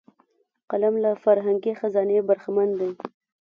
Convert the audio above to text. قلم له فرهنګي خزانې برخمن دی